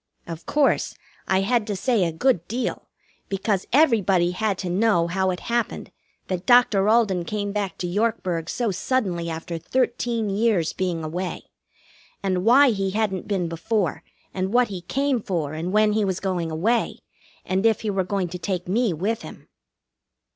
Of course, I had to say a good deal, because everybody had to know how it happened that Doctor Alden came back to Yorkburg so suddenly after thirteen years' being away. And why he hadn't been before, and what he came for and when he was going away, and if he were going to take me with him.